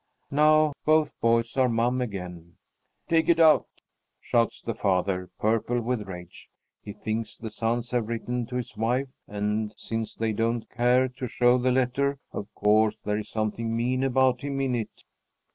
Now both boys are mum again. "Take it out!" shouts the father, purple with rage. He thinks the sons have written to his wife, and, since they don't care to show the letter, of course there is something mean about him in it.